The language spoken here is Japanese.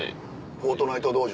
フォートナイト道場？